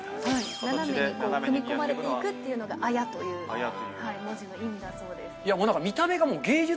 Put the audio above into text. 斜めに組み込まれて行くっていうのが綾という文字の意味だそうです。